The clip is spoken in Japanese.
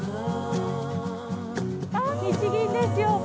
あっ日銀ですよ。